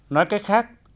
nói cách khác